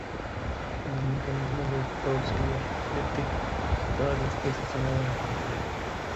En el mecanismo de Peaucellier-Lipkin todas las piezas se mueven en un plano.